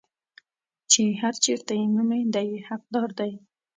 چې هر چېرته یې مومي دی یې حقدار دی.